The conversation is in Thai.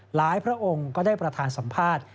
พระองค์ก็ได้ประธานสัมภาษณ์